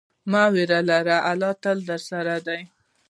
مه ویره لره، الله تل درسره دی.